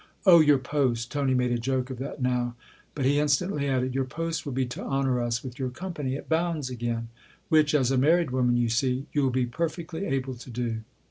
" Oh, your post !" Tony made a joke of that now. But he instantly added :" Your post will be to honour us with your company at Bounds again ; which, as a married woman, you see, you'll be per fectly able to do."